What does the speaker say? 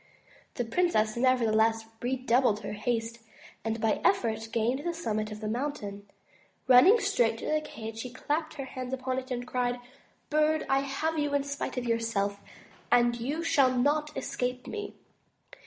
The princess nevertheless redoubled her haste and by effort gained the summit of the mountain. Running straight to the cage she clapped her hands upon it and cried: ''Bird, I have you in spite of yourself, and you shall not escape me."